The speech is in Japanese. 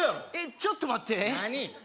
ちょっと待って何？